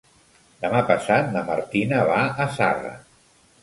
Demà passat na Martina va a Zarra.